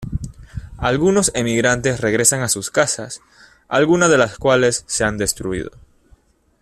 Algunos emigrantes regresan a sus casas, algunas de las cuales se han derruido.